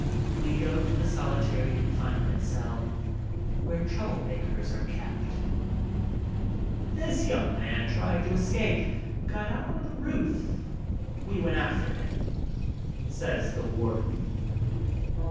We go to the solitary confinement cell, where trouble makers are kept. "This young man tried to escape, got out on the roof. We went after him," says the warden.